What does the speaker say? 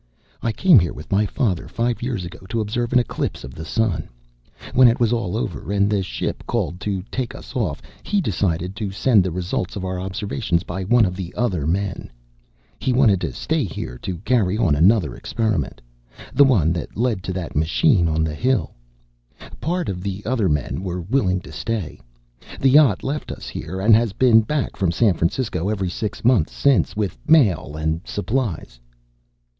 "I came here with my father five years ago to observe an eclipse of the sun. When it was all over, and the ship called to take us off, he decided to send the results of our observations by one of the other men. He wanted to stay here to carry on another experiment the one that led to that machine on the hill. Part of the other men were willing to stay. The yacht left us here, and has been back from San Francisco every six months since, with mail and supplies."